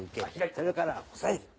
それから押さえる。